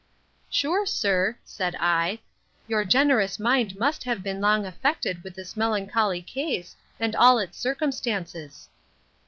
Sure, sir, said I, your generous mind must have been long affected with this melancholy case, and all its circumstances.